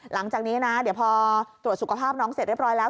หลังจากนี้นะเดี๋ยวพอตรวจสุขภาพน้องเสร็จเรียบร้อยแล้ว